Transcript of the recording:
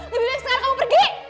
lebih baik sekarang kamu pergi